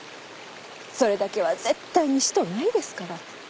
それだけは絶対にしとうないですから。